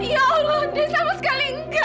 ya allah nggak sama sekali